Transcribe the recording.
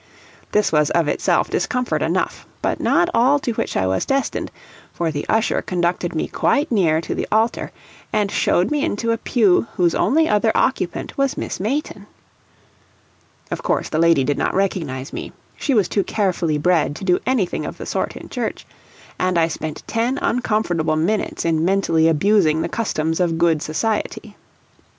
This was of itself discomfort enough, but not all to which I was destined, for the usher conducted me quite near to the altar, and showed me into a pew whose only other occupant was Miss Mayton! Of course the lady did not recognize me she was too carefully bred to do anything of the sort in church, and I spent ten uncomfortable minutes in mentally abusing the customs of good society.